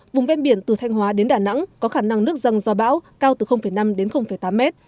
vùng ven biển từ thanh hóa đến đà nẵng có khả năng nước dâng do bão cao từ năm đến tám mét